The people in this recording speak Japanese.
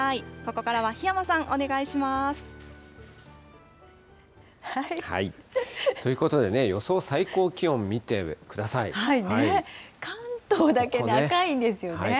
ここからは檜山さん、お願いしまということでね、予想最高気関東だけ赤いんですよね。